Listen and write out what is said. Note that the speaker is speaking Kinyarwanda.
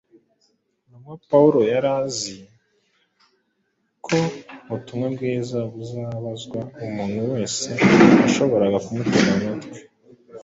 Intumwa Pawulo yari azi ko ubutumwa bwiza buzabazwa umuntu wese washoboraga kumutega amatwi.